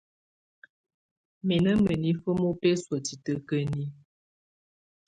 Mɛ̀ na mǝnifǝ ma ɔbɛsɔ̀á titǝ́kǝni.